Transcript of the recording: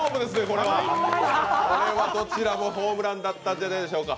これはどちらもホームランだったんじゃないでしょうか。